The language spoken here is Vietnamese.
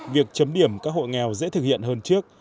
việc chấm điểm các hộ nghèo dễ thực hiện hơn trước